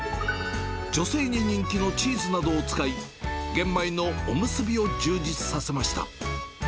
女性に人気のチーズなどを使い、玄米のおむすびを充実させました。